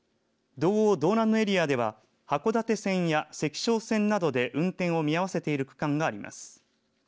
道央、道南のエリアでは函館線や石勝線などで運転を見合わせている区間があります。